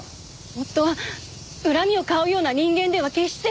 夫は恨みを買うような人間では決して。